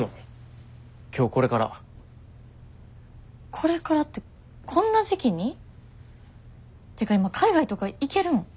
これからってこんな時期に？ってか今海外とか行けるん？